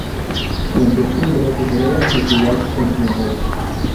En septiembre, se celebra un festival en su memoria.